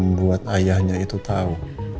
membuat ayahnya itu tahu